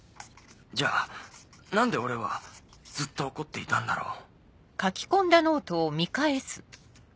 じゃあなんで俺はずっと怒っていたんだろう」。